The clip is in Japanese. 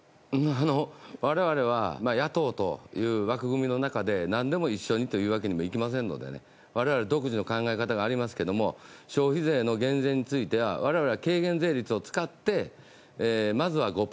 我々は野党という枠組みの中で何でも一緒にというわけにはいきませんので我々独自の考え方がありますが消費税の減税については我々は軽減税率を使ってまずは５％と。